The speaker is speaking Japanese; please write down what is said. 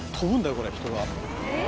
これ人が」